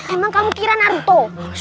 emang kamu kira naruto